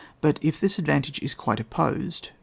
But if this advantage is quite opposed (No.